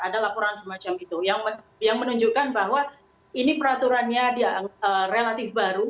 ada laporan semacam itu yang menunjukkan bahwa ini peraturannya relatif baru